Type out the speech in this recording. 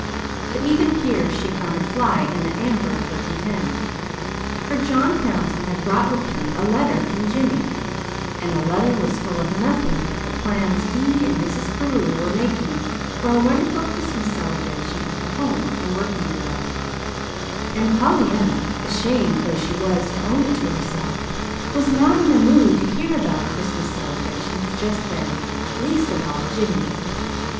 But even here she found a fly in the amber of her content; for John Pendleton had brought with him a letter from Jimmy, and the letter was full of nothing but the plans he and Mrs. Carew were making for a wonderful Christmas celebration at the Home for Working Girls: and Pollyanna, ashamed though she was to own it to herself, was not in a mood to hear about Christmas celebrations just then least of all, Jimmy's.